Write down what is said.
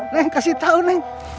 neng kasih tau neng